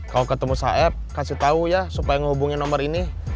kalau ketemu saeb kasih tahu ya supaya ngehubungin nomor ini